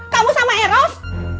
kamu sama eros